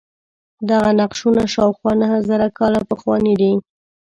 دغه نقشونه شاوخوا نهه زره کاله پخواني دي.